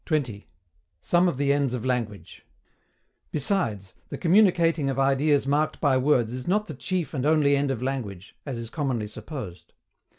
SOME OF THE ENDS OF LANGUAGE. Besides, the communicating of ideas marked by words is not the chief and only end of language, as is commonly supposed.